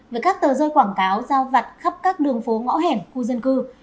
với các tờ rơi quảng cáo giao vặt khắp các đường phố ngõ hẻm khu dân cư